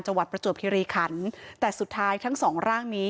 ประจวบคิริขันแต่สุดท้ายทั้งสองร่างนี้